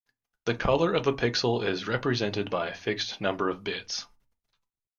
The color of a pixel is represented by a fixed number of bits.